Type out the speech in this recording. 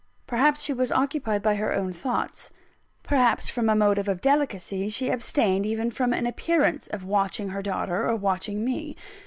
Perhaps she was occupied by her own thoughts; perhaps, from a motive of delicacy, she abstained even from an appearance of watching her daughter or watching me.